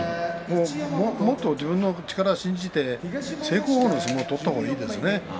もっと自分の力を信じて正攻法の相撲を取った方がいいですね。